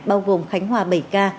bao gồm khánh hòa bảy ca